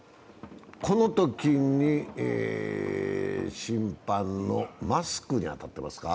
このときに、審判のマスクに当たってますか。